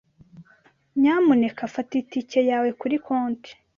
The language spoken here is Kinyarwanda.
Nyamuneka fata itike yawe kuri konti.